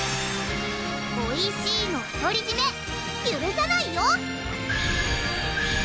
おいしいの独り占めゆるさないよ！